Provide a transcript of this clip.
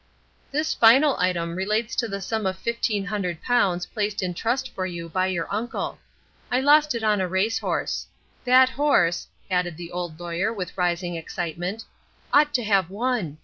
"This final item relates to the sum of fifteen hundred pounds placed in trust for you by your uncle. I lost it on a horse race. That horse," added the Old Lawyer with rising excitement, "ought to have won.